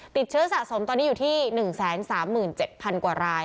ติดเชื้อสะสมตอนนี้อยู่ที่๑๓๗๐๐กว่าราย